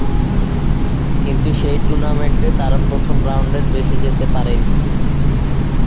কিন্তু সেই টুর্নামেন্টে তাঁরা প্রথম রাউন্ডের বেশি যেতে পারে নি।